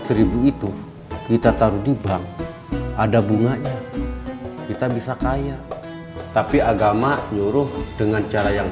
seribu itu kita taruh di bank ada bunganya kita bisa kaya tapi agama nyuruh dengan cara yang